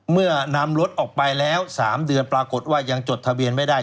เมื่อนำรถออกไปแล้ว๓เดือนปรากฏว่ายังจดทะเบียนไม่ได้